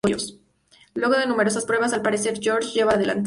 Luego de numerosas pruebas, al parecer Jorge lleva la delantera.